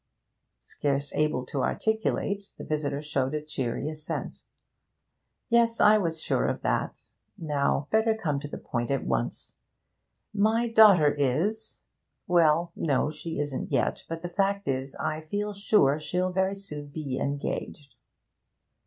Scarce able to articulate, the visitor showed a cheery assent. 'Yes, I was sure of that. Now better come to the point at once my daughter is well, no, she isn't yet, but the fact is I feel sure she'll very soon be engaged.'